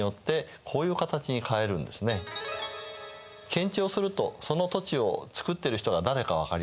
検地をするとその土地を作っている人が誰か分かりますね。